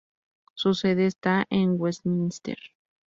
Su sede está en Westminster.